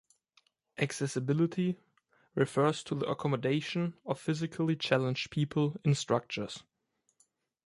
"Accessibility" refers to the accommodation of physically challenged people in structures.